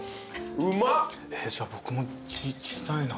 じゃあ僕も聞きたいな。